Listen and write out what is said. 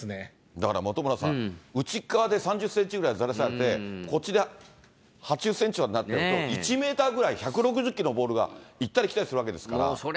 だから本村さん、内っ側で３０センチぐらいずらされて、こっちで８０センチになっちゃうと、１メーターくらい、１６０キロのボールが行ったり来たりするわけですから。